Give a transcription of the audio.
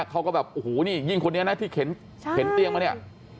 เขาก็แบบโอ้โหนี่ยิ่งคนนี้นะที่เข็นเตียงมาเนี่ย